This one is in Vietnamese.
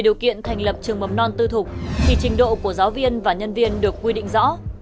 điều kiện thành lập trường mầm non tư thục thì trình độ của giáo viên và nhân viên được quy định rõ